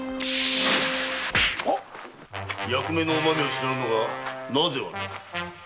役目のうま味を知らぬのがなぜ悪い。